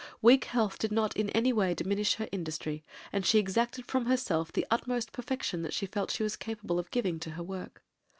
Weak health did not in any way diminish her industry, and she exacted from herself the utmost perfection that she felt she was capable of giving to her work.